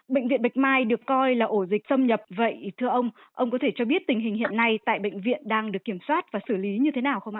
bệnh viện bạch mai được coi là ổ dịch xâm nhập vậy thưa ông ông có thể cho biết tình hình hiện nay tại bệnh viện đang được kiểm soát và xử lý như thế nào không ạ